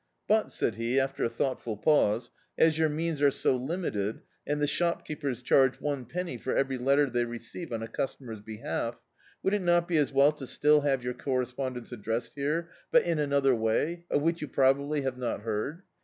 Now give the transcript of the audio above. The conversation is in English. "But," said he, after a thou^tful pause, "as your means are so limited, and the shopkeepers charge one penny for every letter they receive oa a customer's behalf, would it not be as well to still have your correspond ence addressed here, but in another way, of which Dictzed by Google London you probably have not heard?